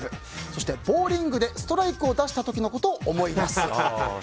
そして、ボウリングでストライクを出した時のことを思い出す。